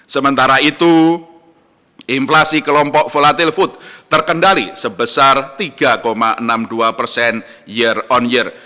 sementara itu inflasi kelompok volatil food terkendali sebesar tiga enam puluh dua persen year on year